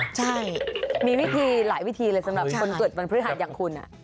ใช่มีวิธีหลายวิธีเลยสำหรับคนเกิดวันพฤหัสอย่างคุณ